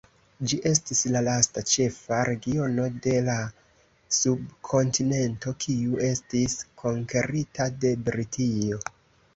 Ĝi estis la lasta ĉefa regiono de la subkontinento kiu estis konkerita de Britio.